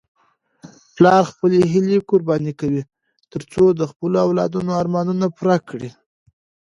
پلار خپلې هیلې قرباني کوي ترڅو د خپلو اولادونو ارمانونه پوره کړي.